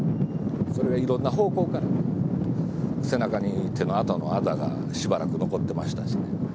それがいろんな方向から、背中に手の跡のあざがしばらく残ってましたしね。